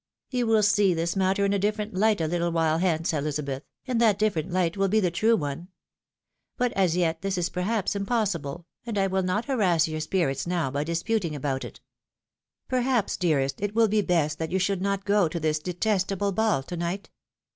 "You will see this matter in a different hght a little while hence, Ehzabeth ; and that different light will be the true one. But as yet this is perhaps impossible, and I wiU not harass your spirits now by disputing about it. Perhaps, dearest, it wiU be best that you should not go to this detestable ball to night?